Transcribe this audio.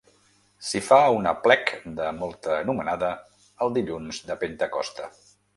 S'hi fa un aplec de molta anomenada el dilluns de Pentecosta.